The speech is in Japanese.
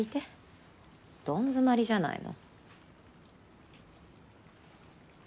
どん詰まりじゃないの。